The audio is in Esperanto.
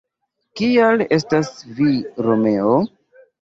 Kial estas vi Romeo?».